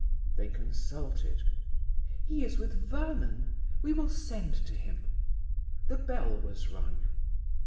They consulted. "He is with Vernon. We will send to him." The bell was rung.